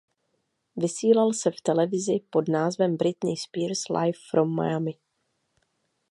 Vysílal se v televizi pod názvem Britney Spears Live From Miami.